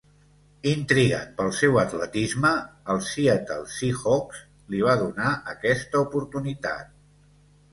Intrigat pel seu atletisme, el Seattle Seahawks li va donar aquesta oportunitat.